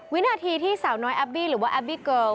วินาทีที่สาวน้อยแอปบี้หรือว่าแอปบี้เกิล